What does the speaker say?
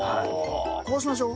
こうしましょう。